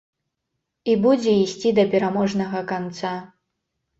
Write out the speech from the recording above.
І будзе ісці да пераможнага канца.